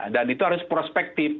dan itu harus prospektif